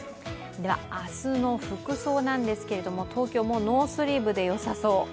明日の服装なんですけれども、東京、ノースリーブでよさそう？